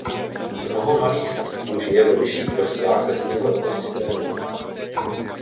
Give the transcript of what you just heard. Mnoho malých savců žijí ve vyšších vrstvách lesního ekosystému.